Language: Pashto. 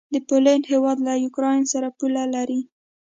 د پولينډ هيواد له یوکراین سره پوله لري.